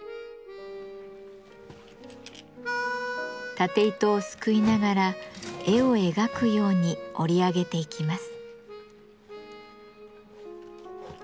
縦糸をすくいながら絵を描くように織り上げていきます。